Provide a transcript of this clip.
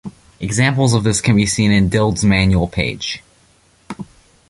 Examples of this can be seen in dyld's manual page.